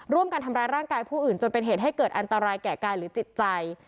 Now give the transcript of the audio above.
ร่วมกันทำร้ายร่างกายผู้อื่นจนเป็นเหตุให้เกิดอันตรายแก่กายหรือจิตใจ